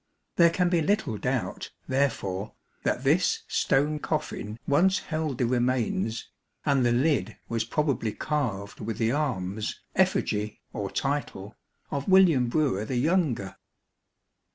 There can be little doubt, therefore, that this stone coffin once held the remains, and the lid was probably carved with the arms, effigy, or title of William Brewer the younger.